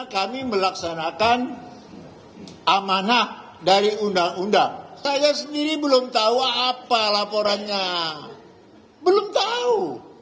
kami melaksanakan amanah dari undang undang saya sendiri belum tahu apa laporannya belum tahu